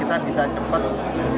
kita bisa cepat keluar